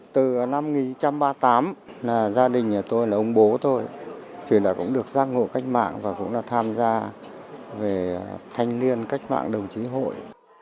từ năm một nghìn chín trăm ba mươi tám gia đình nhà tôi là ông bố tôi thì đã cũng được giác ngộ cách mạng và cũng đã tham gia về thanh niên cách mạng đồng chí hội